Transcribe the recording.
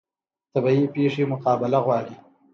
طبیعي پیښې مقابله غواړي